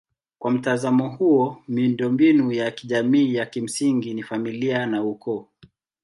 Kwa mtazamo huo miundombinu ya kijamii ya kimsingi ni familia na ukoo.